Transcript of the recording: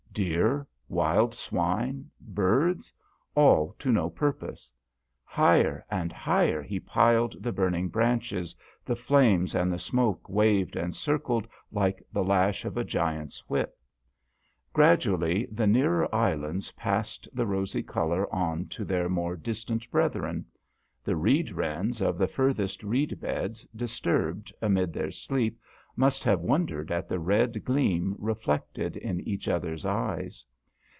Deer, wild swine, birds, all to no pur pose. Higher and higher he piled the burning branches, the flames and the smoke waved and circled like the lash of a giant's whip. Gradually the nearer is lands passed the rosy colour on to their more distant brethren. The reed wrens of the furthest reed beds disturbed amid their sleep must have wondered at the red gleam reflected in each other's eyes.